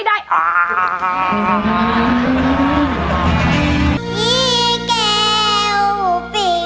ครับ